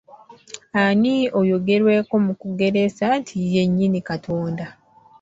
Ani oyogerwako mu kugereesa nti ye nnyini Katonda?